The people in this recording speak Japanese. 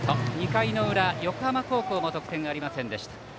２回の裏、横浜高校も得点がありませんでした。